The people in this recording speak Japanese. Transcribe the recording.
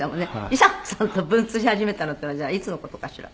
りさ子さんと文通し始めたのっていうのはじゃあいつの事かしら？